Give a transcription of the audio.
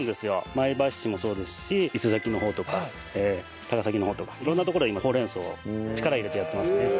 前橋市もそうですし伊勢崎の方とか高崎の方とか色んな所で今ほうれん草を力入れてやっていますね。